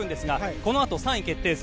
このあと３位決定戦